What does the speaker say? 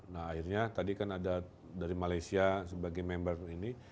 nah akhirnya tadi kan ada dari malaysia sebagai member ini